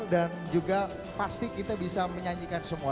dan juga pasti kita bisa menyanyikan semua